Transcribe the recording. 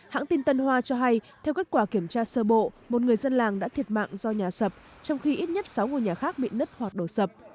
hãng tin tân hoa cho hay theo kết quả kiểm tra sơ bộ một người dân làng đã thiệt mạng do nhà sập trong khi ít nhất sáu ngôi nhà khác bị nứt hoặc đổ sập